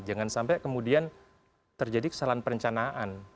jangan sampai kemudian terjadi kesalahan perencanaan